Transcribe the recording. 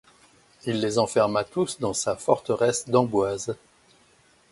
Il les enferma tous dans sa forteresse d'Amboise.